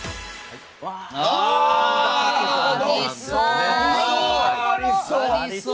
ありそう！